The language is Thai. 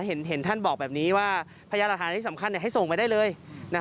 เห็นท่านบอกแบบนี้ว่าพยานหลักฐานที่สำคัญให้ส่งไปได้เลย